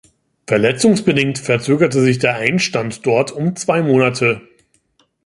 Verletzungsbedingt verzögerte sich der Einstand dort um zwei Monate.